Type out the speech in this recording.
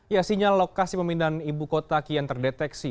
ya sinyal lokasi pemindahan ibu kota kian terdeteksi